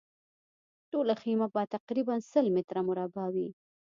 ټوله خیمه به تقریباً سل متره مربع وي.